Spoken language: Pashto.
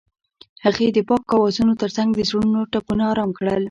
هغې د پاک اوازونو ترڅنګ د زړونو ټپونه آرام کړل.